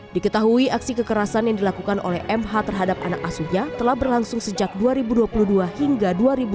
diketahui aksi kekerasan yang dilakukan oleh mh terhadap anak asuhnya telah berlangsung sejak dua ribu dua puluh dua hingga dua ribu dua puluh